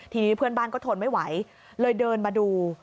ทีนี้เพื่อนบ้านก็ทนไม่ไหวเลยเดินมาดู